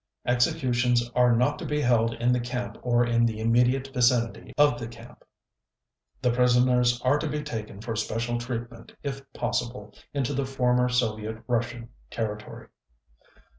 Executions are not to be held in the camp or in the immediate vicinity of the camp .... The prisoners are to be taken for special treatment if possible into the former Soviet Russian territory."